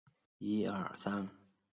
茂贞以六万兵马截击。